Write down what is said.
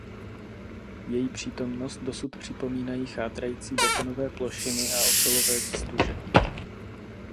Jejich přítomnost dosud připomínají chátrající betonové plošiny a ocelové výztuže.